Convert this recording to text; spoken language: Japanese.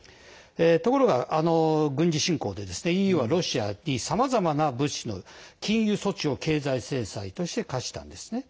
ところが、軍事侵攻でＥＵはロシアにさまざまな物資の禁輸措置を経済制裁として科したんですね。